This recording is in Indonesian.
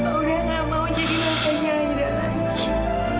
bapak tidak mau jadi lakannya aida lagi